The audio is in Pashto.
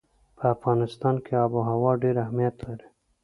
په افغانستان کې آب وهوا ډېر اهمیت لري.